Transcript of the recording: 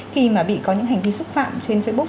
khi mà bị có những hành vi xúc phạm trên facebook